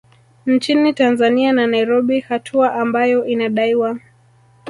Nchini Tanzania na Nairobi hatua ambayo inadaiwa